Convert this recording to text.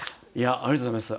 ありがとうございます。